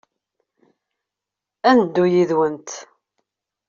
Ad neddu yid-went.